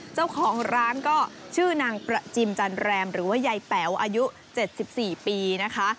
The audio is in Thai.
เจ้าของร้านก็ชื่อนางประจิมจันแรมหรือว่ายายแป๋วอายุ๗๔ปีนะคะ